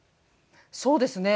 そうですね。